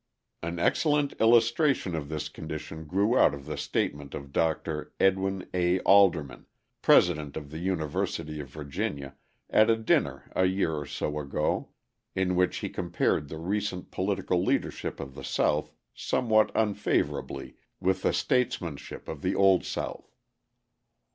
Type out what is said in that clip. An excellent illustration of this condition grew out of the statement of Dr. Edwin A. Alderman, president of the University of Virginia, at a dinner a year or so ago, in which he compared the recent political leadership of the South somewhat unfavourably with the statesmanship of the Old South.